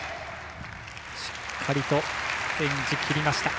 しっかりと演じきりました。